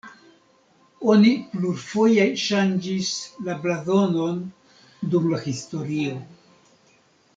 Oni plurfoje ŝanĝis la blazonon dum la historio.